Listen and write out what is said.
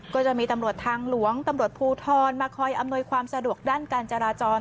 ก็จะมีตำรวจทางหลวงตำรวจภูทรมาคอยอำนวยความสะดวกด้านการจราจร